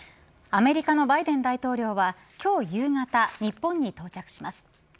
アメリカのバイデン大統領は今日、夕方日本に到着します。